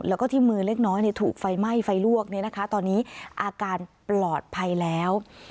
แล้วก็ที่มือเล็กน้อยถูกไฟไหม้ไฟลวกตอนนี้อาการปลอดภัยแล้ว